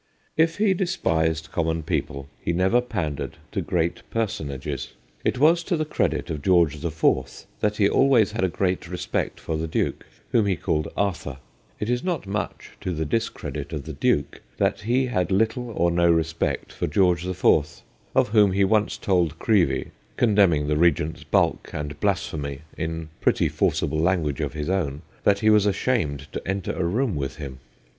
If he despised common people, he never pandered to great personages. It was to the credit of George the Fourth that he always had a great respect for the Duke, whom he 170 THE GHOSTS OF PICCADILLY called ' Arthur '; it is not much to the dis credit of the Duke that he had little or no respect for George the Fourth, of whom he once told Creevey condemning the Regent's bulk and blasphemy in pretty forcible lan guage of his own that he was ashamed to enter a room with him.